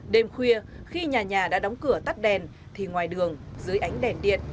đêm khuya khi nhà nhà đã đóng cửa tắt đèn thì ngoài đường dưới ánh đèn điện